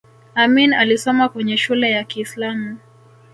amin alisoma kwenye shule ya kiislamu